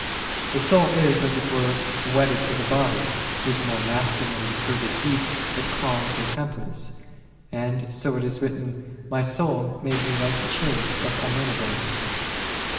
The soul is, as it were, wedded to the body, whose more masculine and fervid heat it calms and tempers ; and so it is written, my soul made me like the chariots of Amminadab ra .